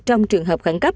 trong trường hợp khẳng cấp